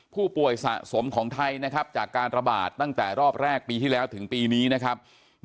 ผู้ป่วยสะสมของไทยนะครับจากการระบาดตั้งแต่รอบแรกปีที่แล้วถึงปีนี้นะครับ